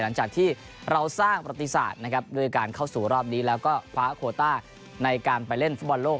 หลังจากที่เราสร้างประติศาสตร์นะครับด้วยการเข้าสู่รอบนี้แล้วก็คว้าโคต้าในการไปเล่นฟุตบอลโลก